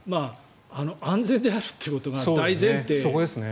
安全であるということが大前提ですよね。